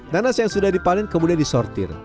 nanas yang sudah dipanen kemudian disortir